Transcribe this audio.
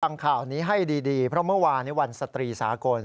ฟังข่าวนี้ให้ดีเพราะเมื่อวานวันสตรีสากล